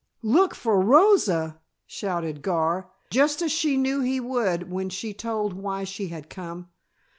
"Look for Rosa!" shouted Gar, just as she knew he would when she told why she had come.